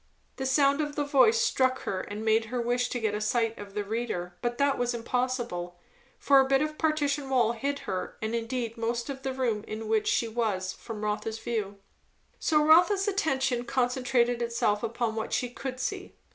The sound of the voice struck her and made her wish to get a sight of the reader; but that was impossible, for a bit of partition wall hid her and indeed most of the room in which she was from Rotha's view. So Rotha's attention concentrated itself upon what she could see.